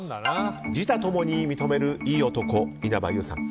自他共に認めるいい男稲葉友さん。